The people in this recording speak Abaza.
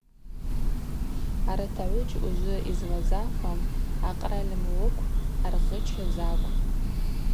Арат агӏвыджь ужвы йызлазахвам акъраль млыкв ъаргъычыз акӏвпӏ.